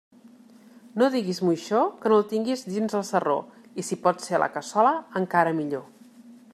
No digues moixó que no el tingues dins del sarró, i si pot ser a la cassola, encara millor.